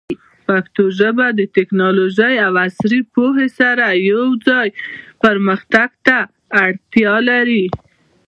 پښتو ژبه د ټیکنالوژۍ او عصري پوهې سره یوځای پرمختګ ته اړتیا لري.